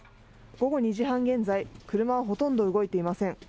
午後２時半現在、車はほとんど動いていません。